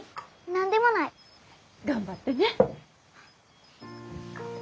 何でもない。頑張ってね。